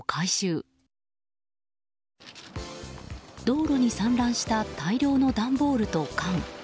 道路に散乱した大量の段ボールと缶。